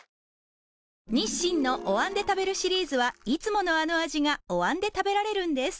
日清のお椀で食べるシリーズはいつものあの味がお椀で食べられるんです